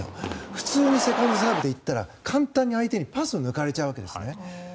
普通にセカンドサーブでいったら相手にパスで抜かれちゃうんです。